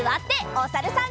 おさるさん。